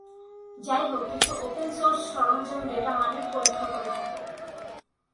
যাইহোক, কিছু open source সরঞ্জাম ডেটা মানের পরীক্ষা করে থাকে।